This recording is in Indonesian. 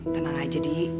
tenang aja di